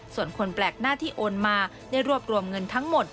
ส่วนคนแปลกหน้าที่โอนมาได้รวบรวมเงินทั้งหมด